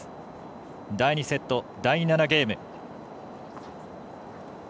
第２セット、第７ゲーム。